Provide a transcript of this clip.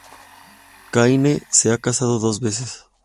Caine se ha casado dos veces.